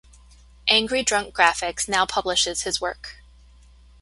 Angry Drunk Graphics now publishes his work.